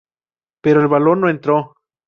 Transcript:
Pero el balón no entró.